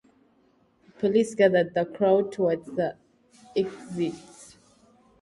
Police gathered the crowd towards the exits.